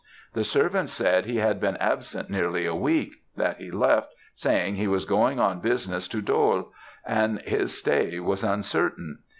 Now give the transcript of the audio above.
The servants said he had been absent nearly a week; that he left, saying he was going on business to Dôle, and his stay was uncertain.